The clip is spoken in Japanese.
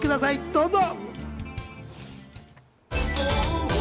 どうぞ。